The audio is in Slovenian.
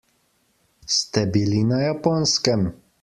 Ste bili na Japonskem?